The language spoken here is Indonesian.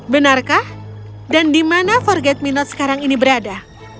benarkah dan di mana forget me not sekarang ini berada